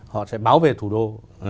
họ sẽ bảo vệ thủ đô